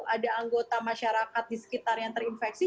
ada anggota masyarakat di sekitar yang terinfeksi